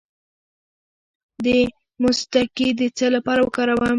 د مصطکي د څه لپاره وکاروم؟